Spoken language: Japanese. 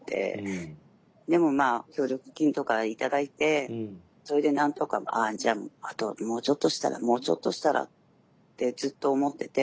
でもまあ協力金とか頂いてそれで何とかあじゃああともうちょっとしたらもうちょっとしたらってずっと思ってて。